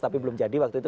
tapi belum jadi waktu itu